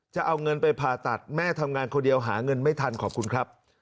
จะเอาเงินไปผ่าตัดแม่ทำงานคนเดียวหาเงินไม่ทันขอบคุณครับ